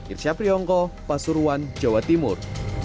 irsyapri hongko pasuruan jawa timur